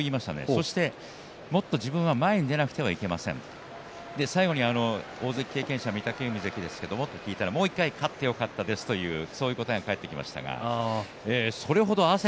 そして、もっと自分は前に出なくてはいけません最後に大関経験者御嶽海関ですけれどもと言ったらもう１回、勝ってよかったですという声が返ってきました。